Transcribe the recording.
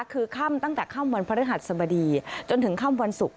คือค่ำตั้งแต่ค่ำวันพฤหัสสบดีจนถึงค่ำวันศุกร์